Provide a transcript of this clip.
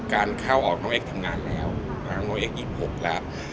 การเข้าออกน้องเอ็กซทำงานแล้วน้องเอ็กซ๒๖แล้ว